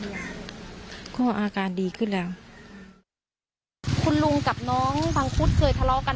ยังไงเพราะอาการดีขึ้นแล้วคุณลุงกับน้องบางคนเคยทะเลาะกัน